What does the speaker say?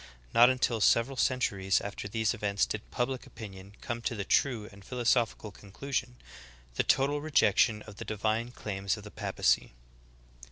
Not until several cen turies after these events did public opinion come to the true and philosophical conclusion — the total rejection of the di vine claims of the papacy.